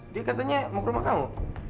dia katanya mau ke rumah kamu